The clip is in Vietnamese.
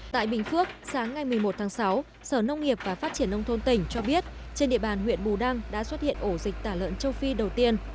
tại bình phước sáng ngày một mươi một tháng sáu sở nông nghiệp và phát triển nông thôn tỉnh cho biết trên địa bàn huyện bù đăng đã xuất hiện ổ dịch tả lợn châu phi đầu tiên